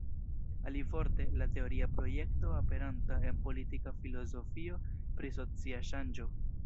Alivorte, la teoria projekto aperanta en Politika Filozofio pri Socia Ŝanĝo.